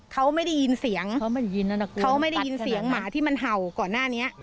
เขาไม่ได้ยินเสียงเขาไม่ได้ยินเสียงหมาที่มันเห่าก่อนหน้านี้